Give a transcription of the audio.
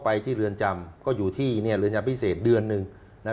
ไปที่เรือนจำรอย่างพิเศษเนื้อหนึ่ง